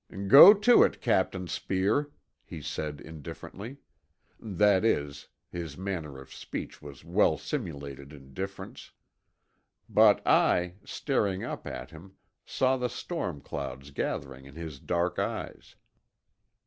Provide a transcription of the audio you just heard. "Go to it, Captain Speer," he said indifferently—that is, his manner of speech was well simulated indifference; but I, staring up at him, saw the storm clouds gathering in his dark eyes.